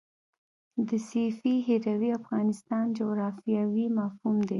د سیفي هروي افغانستان جغرافیاوي مفهوم دی.